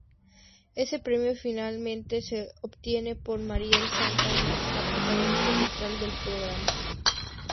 Ese premio finalmente fue obtenido por Muriel Santa Ana, la protagonista central del programa.